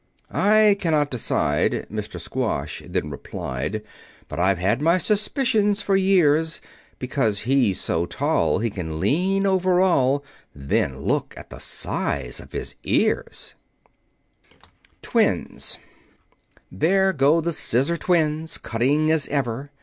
"I cannot decide," Mr. Squash then replied, "But I've had my suspicions for years; Because he's so tall He can lean over all; Then look at the size of his ears." [Illustration: Overheard in the Corn field] TWINS "There go the Scissor twins. Cutting as ever.